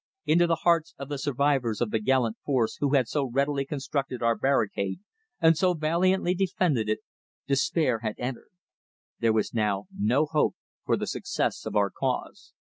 Into the hearts of the survivors of the gallant force who had so readily constructed our barricade and so valiantly defended it, despair had entered. There was now no hope for the success of our cause.